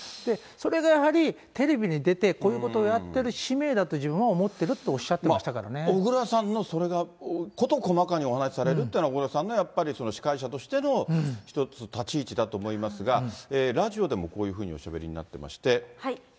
それがやはりテレビに出て、こういうことをやってる使命だというふうに自分が思ってるとおっ小倉さんの、それが事細かにお話しされるっていうのは、小倉さんの司会者としての一つ立ち位置だと思いますが、ラジオでもこういうふうにおしゃべりになってらっしゃてまして。